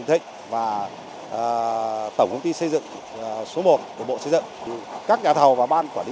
giai đoạn ba làn xe